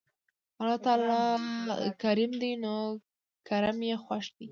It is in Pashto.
الله تعالی کريم دی نو کرَم ئي خوښ دی